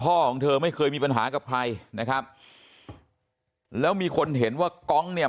ของเธอไม่เคยมีปัญหากับใครนะครับแล้วมีคนเห็นว่ากองเนี่ย